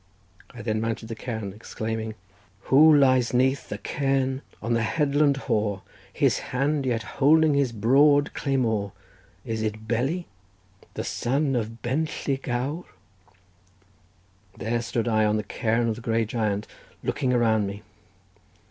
I then mounted the cairn, exclaiming: "Who lies 'neath the cairn on the headland hoar, His hand yet holding his broad claymore, Is it Beli, the son of Benlli Gawr?" There stood I on the cairn of the Grey Giant, looking around me.